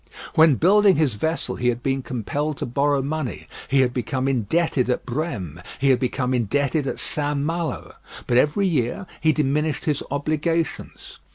When building his vessel he had been compelled to borrow money. He had become indebted at Brême, he had become indebted at St. Malo; but every year he diminished his obligations.